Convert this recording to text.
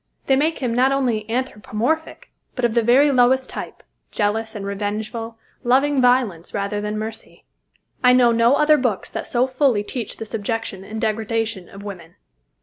They make Him not only anthropomorphic, but of the very lowest type, jealous and revengeful, loving violence rather than mercy. I know no other books that so fully teach the subjection and degradation of woman.